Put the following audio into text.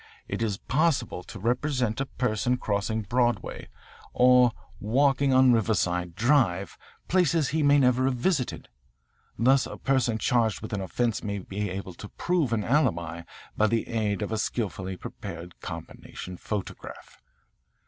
It is possible to represent a person crossing Broadway or walking on Riverside Drive, places he may never have visited. Thus a person charged with an offence may be able to prove an alibi by the aid of a skilfully prepared combination photograph.